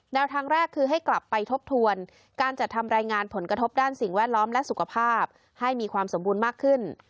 ทางแรกคือให้กลับไปทบทวนการจัดทำรายงานผลกระทบด้านสิ่งแวดล้อมและสุขภาพให้มีความสมบูรณ์มากขึ้น